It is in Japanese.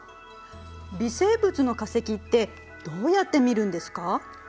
微生物の化石ってどうやって見るんですか？